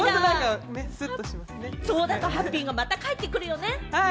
そうだとハッピーがまた返ってくるよね。